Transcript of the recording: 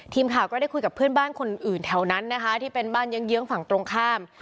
ทีมข่าวก็ได้คุยกับเพื่อนบ้านคนอื่นแถวนั้นนะคะที่เป็นบ้านเยื้องฝั่งตรงข้าม